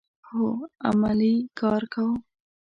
هو، عملی کار کوو